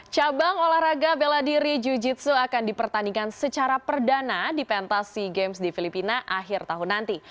cabang olahraga bela diri jiu jitsu akan dipertandingkan secara perdana di pentas sea games di filipina akhir tahun nanti